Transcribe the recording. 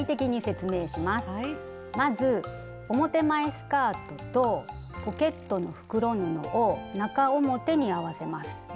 まず表前スカートとポケットの袋布を中表に合わせます。